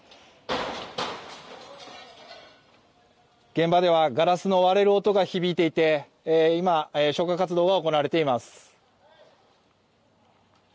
現場ではガラスの割れる音が響いていて今、消火活動が行われています。